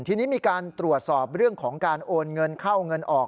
ทีนี้มีการตรวจสอบเรื่องของการโอนเงินเข้าเงินออก